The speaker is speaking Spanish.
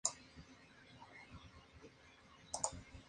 Ha surgido cierta controversia sobre su alto contenido calórico y graso.